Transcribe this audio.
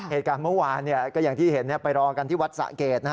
เหตุการณ์เมื่อวานก็อย่างที่เห็นไปรอกันที่วัดสะเกดนะฮะ